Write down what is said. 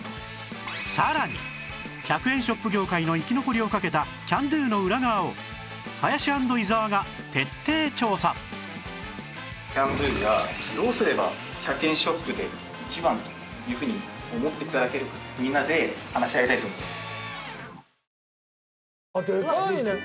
さらに１００円ショップ業界の生き残りをかけたキャンドゥがどうすれば１００円ショップで一番というふうに思って頂けるかみんなで話し合いたいと思います。